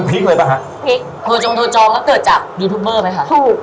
ถูก